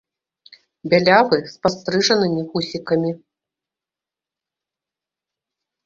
Бялявы, з падстрыжанымі вусікамі.